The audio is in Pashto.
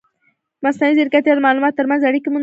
مصنوعي ځیرکتیا د معلوماتو ترمنځ اړیکې موندلی شي.